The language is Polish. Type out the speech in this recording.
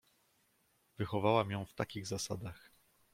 "Wychowałam ją w takich zasadach."